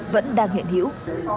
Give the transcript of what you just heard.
vẫn đang hiện hiểu